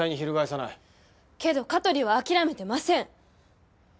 けど香取は諦めてません！